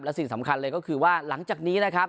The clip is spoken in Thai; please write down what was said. และสิ่งสำคัญเลยก็คือว่าหลังจากนี้นะครับ